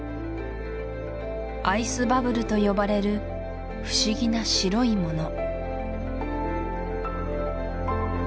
アイスバブルと呼ばれる不思議な白いもの